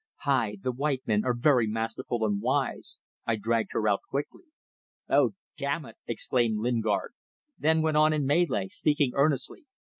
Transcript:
... Hai! The white men are very masterful and wise. I dragged her out quickly!" "Oh, damn it!" exclaimed Lingard then went on in Malay, speaking earnestly.